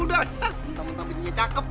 untung untung bininya cakep